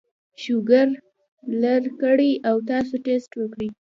شوګر لر کړي او تاسو ټېسټ وکړئ